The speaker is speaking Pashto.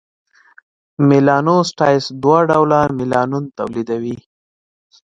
میلانوسایټس دوه ډوله میلانون تولیدوي: